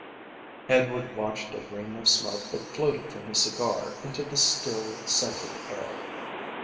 Edward watched a ring of smoke that floated from his cigar into the still, scented air.